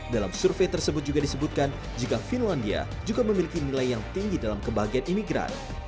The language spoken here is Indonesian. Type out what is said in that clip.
dalam survei tersebut juga disebutkan jika finlandia juga memiliki nilai yang tinggi dalam kebahagiaan imigran